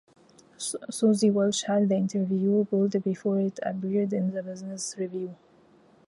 Suzy Welch had the interview pulled before it appeared in the "Business Review".